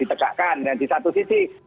ditegakkan dan di satu sisi